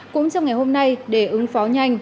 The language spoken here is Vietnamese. cũng trong ngày hôm nay để ứng phó nhanh